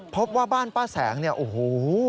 พบว่าบ้านป้าแสงเนี่ยโอ้โห